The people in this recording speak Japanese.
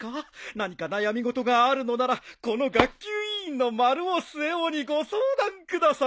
何か悩み事があるのならこの学級委員の丸尾末男にご相談ください。